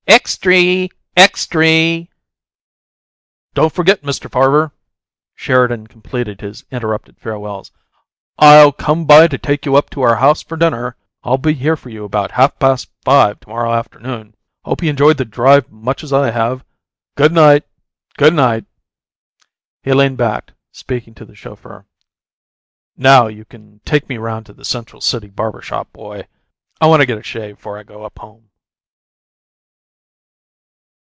Extry! Extry!" "Don't forget, Mr. Farver," Sheridan completed his interrupted farewells. "I'll come by to take you up to our house for dinner. I'll be here for you about half past five to morrow afternoon. Hope you 'njoyed the drive much as I have. Good night good night!" He leaned back, speaking to the chauffer. "Now you can take me around to the Central City barber shop, boy. I want to get a shave 'fore I go up home."